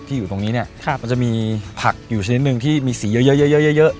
ที่อยู่ตรงนี้มันจะมีผักอยู่ชนิดหนึ่งที่มีสีเยอะ